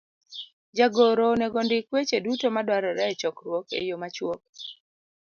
Jagoro onego ondik weche duto madwarore e chokruok e yo machuok,